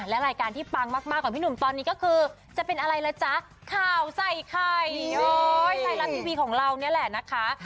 และรายการที่ปังมากกว่าพี่หนุ่มตอนนี้ก็คือจะเป็นอะไรล่ะจ๊ะข่าวใส่ไข่ไทยรัฐทีวีของเรานี่แหละนะคะ